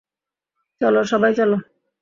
চলো, সবাই, চলো!